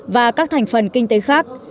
và các thành phần kinh tế khác